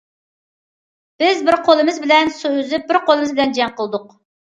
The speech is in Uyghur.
بىز بىر قولىمىز بىلەن سۇ ئۈزۈپ، بىر قولىمىز بىلەن جەڭ قىلدۇق.